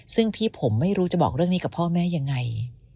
ซึ่งพี่ผมไม่รู้จะบอกเรื่องนี้กับพ่อแม่ยังไง